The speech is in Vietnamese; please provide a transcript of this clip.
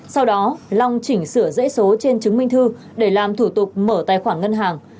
sau đó long chỉnh sửa dễ số trên chứng minh thư để làm thủ tục mở tài khoản ngân hàng